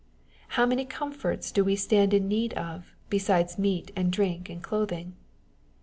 How many comforts do we stand in need of, besides meat and drink and clothing